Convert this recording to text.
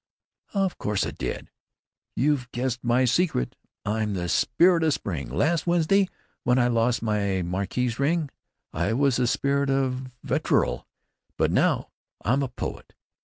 "Of course it did. You've guessed my secret. I'm the Spirit of Spring. Last Wednesday, when I lost my marquise ring, I was the spirit of vitriol, but now——I'm a poet.